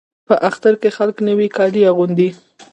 په اختر کې خلک نوي کالي اغوندي.